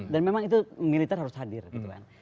dan memang itu militer harus hadir gitu kan